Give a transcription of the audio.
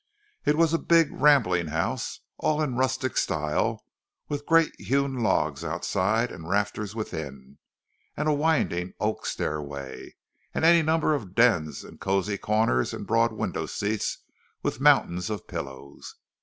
It was a big rambling house, all in rustic style, with great hewn logs outside, and rafters within, and a winding oak stairway, and any number of dens and cosy corners, and broad window seats with mountains of pillows.